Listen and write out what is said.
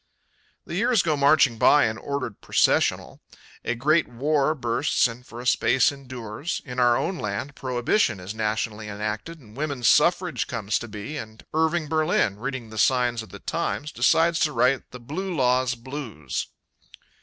The years go marching by in ordered processional. A great war bursts and for a space endures. In our own land prohibition is nationally enacted and women's suffrage comes to be, and Irving Berlin, reading the signs of the times, decides to write The Blue Laws Blues.